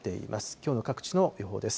きょうの各地の予報です。